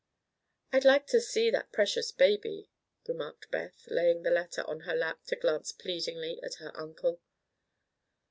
"I'd like to see that precious baby," remarked Beth, laying the letter on her lap to glance pleadingly at her uncle.